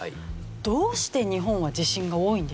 どうして日本は地震が多いんでしょうか？